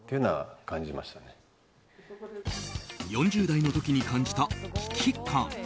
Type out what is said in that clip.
４０代の時に感じた危機感。